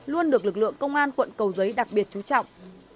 luôn được lực lượng công an quận cầu giấy đặc biệt chú trọng